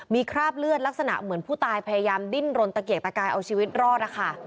มีคราบเลือดลักษณะเหมือนผู้ตายพยายามดิ้นรนตะเกียกตะกายเอาชีวิตรอดนะคะ